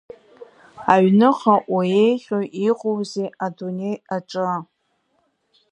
Аҩныҟа уи еиӷьу иҟоузеи адунеи аҿы!